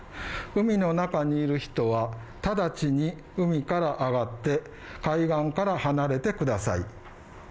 海の中にいる人は直ちに海から上がって、海岸から離れてください。